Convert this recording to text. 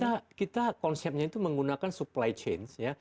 ya kita konsepnya itu menggunakan supply chain ya